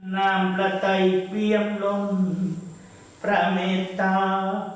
นามประใจเพียงลงประเมตตา